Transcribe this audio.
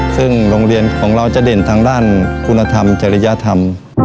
ซึ่งโรงเรียนของเราจะเด่นทางด้านคุณธรรมจริยธรรม